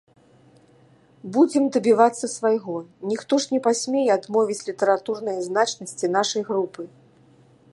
Будзем дабівацца свайго, ніхто ж не пасмее адмовіць літаратурнай значнасці нашай групы.